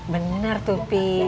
bener tuh pi